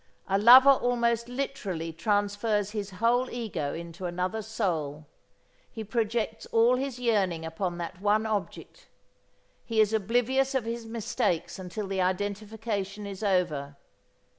A lover almost literally transfers his whole ego into another's soul. He projects all his yearning upon that one object. He is oblivious of his mistakes until the identification is over.